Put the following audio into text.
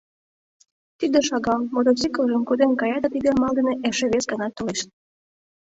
Тиде шагал, мотоциклжым коден кая да тиде амал дене эше вес ганат толеш.